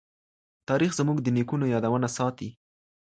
تاريخ زموږ د نيکونو يادونه ساتي.